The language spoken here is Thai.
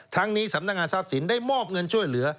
ทั้งนี้สำนักงานทรัพย์สินได้มอบเงินช่วยเหลือ